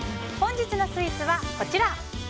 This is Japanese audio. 本日のスイーツはこちら。